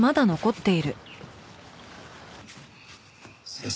先生